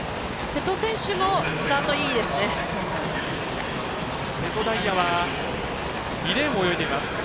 瀬戸選手もスタートいいですね。